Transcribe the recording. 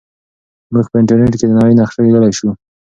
موږ په انټرنیټ کې د نړۍ نقشه لیدلی سو.